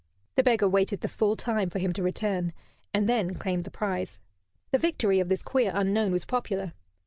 The beggar waited the full time for him to return; and then claimed the prize. The victory of this queer unknown was popular.